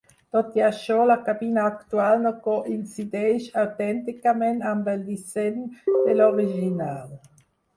Tot i això, la cabina actual no coincideix autènticament amb el disseny de l'original.